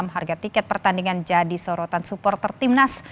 harga tiket pertandingan jadi sorotan supporter timnas